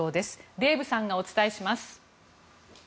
デーブさんがお伝えします。